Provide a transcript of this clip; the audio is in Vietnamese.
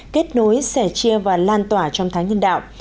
kết nối sẻ chia và lan tỏa trong tháng nhân đạo